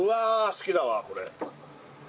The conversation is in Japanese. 好きだわこれ。